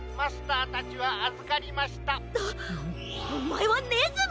おまえはねずみ！